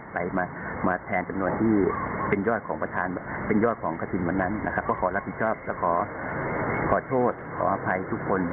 เป็นยอดของกฐินวันนั้นก็ขอรับผิดชอบขอโทษขออภัยทุกคน